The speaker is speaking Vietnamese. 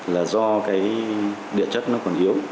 là do cái địa chất nó còn hiếu